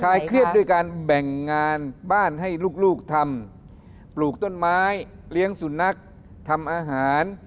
เครียดด้วยการแบ่งงานบ้านให้ลูกทำปลูกต้นไม้เลี้ยงสุนัขทำอาหาร